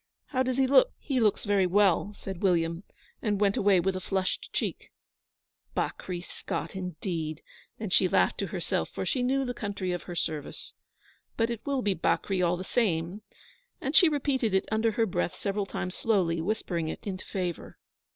How does he look?' 'He looks very well,' said William, and went away with a flushed cheek. 'Bakri Scott, indeed!' Then she laughed to herself, for she knew the country of her service. 'But it will be Bakri all the same'; and she repeated it under her breath several times slowly, whispering it into favour.